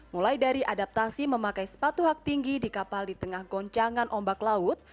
mulai dari adaptasi memakai sepatu hak tinggi di kapal di tengah goncangan ombak laut